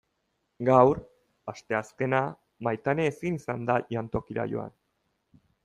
Gaur, asteazkena, Maitane ezin izan da jantokira joan.